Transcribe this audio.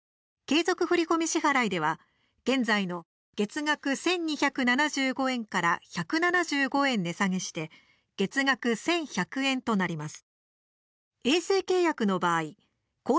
継続振込支払いでは現在の月額２２２０円から２７０円値下げして月額１９５０円となります。